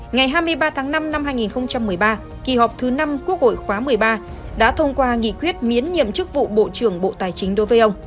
ngày hai mươi ba tháng năm năm hai nghìn một mươi ba kỳ họp thứ năm quốc hội khóa một mươi ba đã thông qua nghị quyết miễn nhiệm chức vụ bộ trưởng bộ tài chính đối với ông